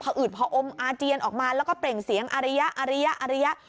พออืดพออมอาเจียนออกมาแล้วก็เปล่งเสียงอริยะอริยะอริยะ